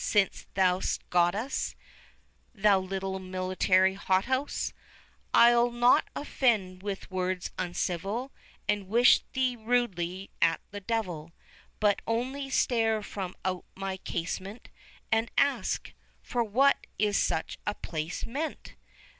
since thou'st got us, Thou little military hothouse! I'll not offend with words uncivil, 35 And wish thee rudely at the Devil, But only stare from out my casement, And ask, for what is such a place meant?